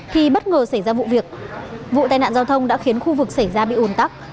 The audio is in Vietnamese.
khi bất ngờ xảy ra vụ việc vụ tai nạn giao thông đã khiến khu vực xảy ra bị ồn tắc